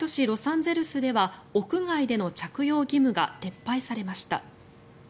ロサンゼルスでは屋外での着用義務が撤廃されました。